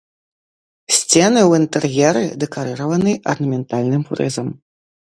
Сцены ў інтэр'еры дэкарыраваны арнаментальным фрызам.